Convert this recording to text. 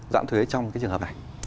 giãn thuế trong cái trường hợp này